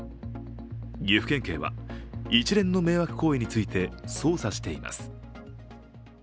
岐阜県警は一連の迷惑行為について捜査しています。